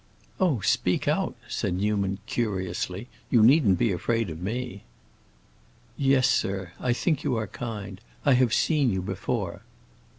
"Oh, speak out," said Newman, curiously. "You needn't be afraid of me." "Yes, sir. I think you are kind. I have seen you before."